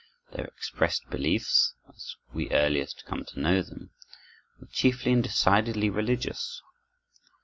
Their expressed beliefs, as we earliest come to know them, were chiefly and decidedly religious.